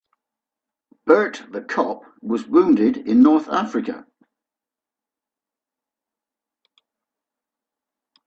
Bert the cop was wounded in North Africa.